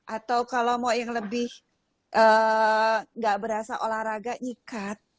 atau kalau mau yang lebih gak berasa olahraga nyikat